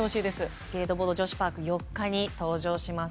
スケートボード女子パーク４日に登場します。